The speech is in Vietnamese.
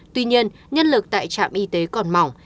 tuy nhiên nhân lực tại trạm y tế còn mỏng